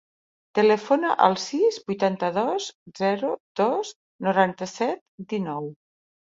Telefona al sis, vuitanta-dos, zero, dos, noranta-set, dinou.